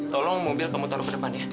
tolong mobil kamu taruh ke depan ya